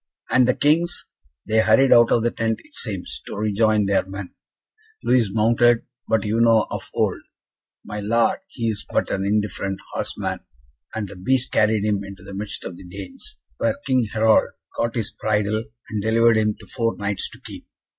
"And the Kings?" "They hurried out of the tent, it seems, to rejoin their men. Louis mounted, but you know of old, my Lord, he is but an indifferent horseman, and the beast carried him into the midst of the Danes, where King Harald caught his bridle, and delivered him to four Knights to keep.